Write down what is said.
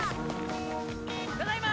ただいま！